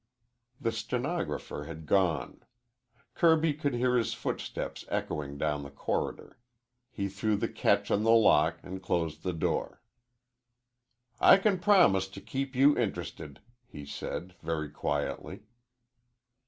The stenographer had gone. Kirby could hear his footsteps echoing down the corridor. He threw the catch of the lock and closed the door. "I can promise to keep you interested," he said, very quietly.